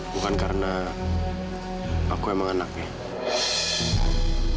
bukan karena aku emang anaknya